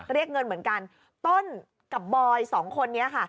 เรียกเงินเหมือนกันต้นกับบอยสองคนนี้ค่ะ